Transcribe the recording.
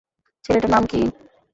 ছেলেটার নাম কী?